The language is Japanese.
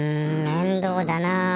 めんどうだなあ。